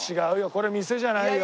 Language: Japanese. これ店じゃないよ。